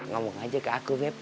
ngomong aja ke aku map